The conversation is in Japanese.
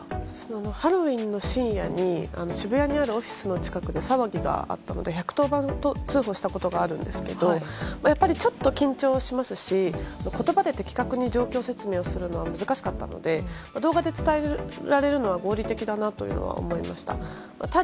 ハロウィーンの深夜に渋谷にあるオフィスの近くで騒ぎがあったので１１０番通報をしたことがあるんですけどやっぱりちょっと緊張しますし言葉で的確に状況説明をするのは難しかったので動画で伝えられるのは合理的だなと思いました。